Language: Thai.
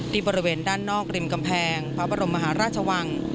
บริเวณด้านนอกริมกำแพงพระบรมมหาราชวัง